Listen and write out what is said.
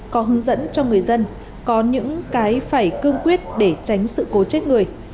có hướng dẫn cho người dân có những cái phải cương quyết để tránh sự cố chết người